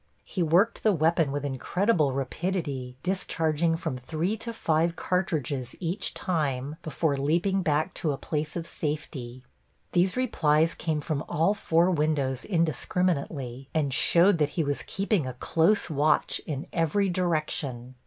He worked the weapon with incredible rapidity, discharging from three to five cartridges each time before leaping back to a place of safety. These replies came from all four windows indiscriminately, and showed that he was keeping a close watch in every direction.